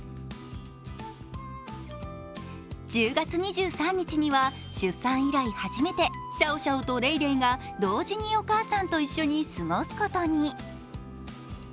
１０月２３日には、出産以来初めてシャオシャオとレイレイが同時にお母さんと一緒に過ごすことに。